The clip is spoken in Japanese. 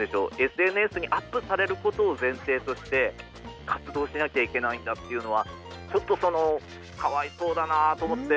ＳＮＳにアップされることを前提として活動しなきゃいけないんだっていうのはちょっとそのかわいそうだなあと思って。